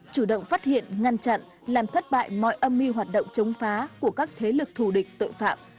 chủ động phát hiện ngăn chặn làm thất bại mọi âm mưu hoạt động chống phá của các thế lực thù địch tội phạm